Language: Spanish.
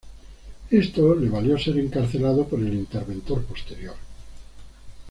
Esto le valió ser encarcelado por el interventor posterior.